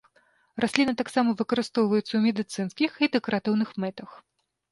Расліна таксама выкарыстоўваецца ў медыцынскіх і дэкаратыўных мэтах.